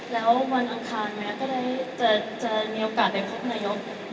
แล้ววันอังคารไหมก็ได้จะมีโอกาสไปพบนายก